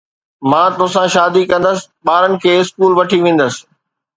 مان توسان شادي ڪندس، ٻارن کي اسڪول وٺي ويندس